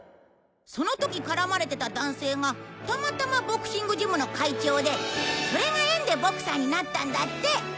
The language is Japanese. その時絡まれてた男性がたまたまボクシングジムの会長でそれが縁でボクサーになったんだって。